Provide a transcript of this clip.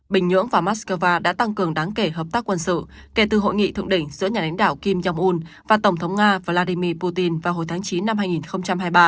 bình nhưỡng và moscow đã tăng cường đáng kể hợp tác quân sự kể từ hội nghị thượng đỉnh giữa nhà lãnh đạo kim jong un và tổng thống nga vladimir putin vào hồi tháng chín năm hai nghìn hai mươi ba